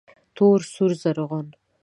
تور، سور، رزغون